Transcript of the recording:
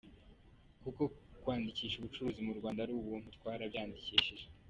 Kuko kwandikisha ubucuruzi mu Rwanda ari ubuntu, twarabwandikishije.